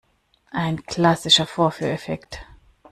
Ein klassischer Vorführeffekt!